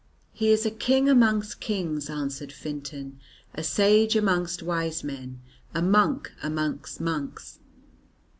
"He is a king amongst kings," answered Fintan, "a sage amongst wise men, a monk amongst monks.